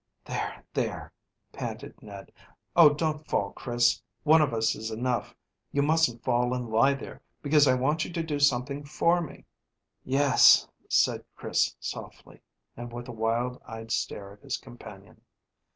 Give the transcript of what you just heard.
"There, there!" panted Ned. "Oh, don't fall, Chris! One of us is enough. You mustn't fall and lie there, because I want you to do something for me." "Yes," said Chris softly, and with a wild eyed stare at his companion.